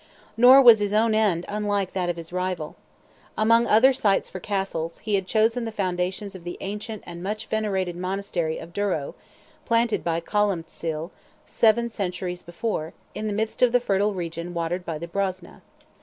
Nor was his own end unlike that of his rival. Among other sites for castles, he had chosen the foundations of the ancient and much venerated monastery of Durrow, planted by Columbcille, seven centuries before, in the midst of the fertile region watered by the Brosna.